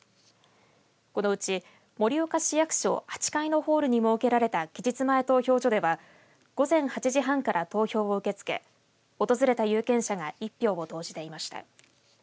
このうち盛岡市役所８階のホールに設けられた期日前投票所では午前８時半から投票を受け付け訪れた有権者が１票を投じていました。